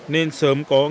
nên sớm có ngân